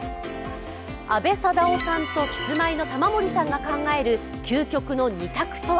阿部サダヲさんとキスマイの玉森さんが考える究極の２択とは。